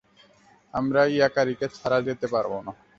আমরা ইয়াকারিকে ছাড়া যেতে পারব না।